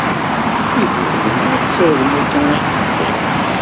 I tura melmi ara ssiwḍeɣ akka ayen i bɣiɣ?